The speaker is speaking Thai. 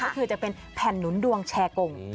ก็คือจะเป็นแผ่นหนุนดวงแชร์กง